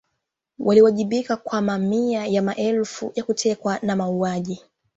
Waliwajibika kwa mamia ya maelfu ya kutekwa na mauaji